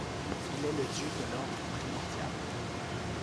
Il est le dieu de l'ordre primordial.